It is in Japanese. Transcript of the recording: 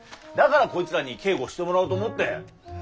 だからこいつらに警護してもらおうと思って。